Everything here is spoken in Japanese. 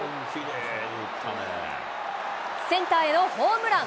センターへのホームラン。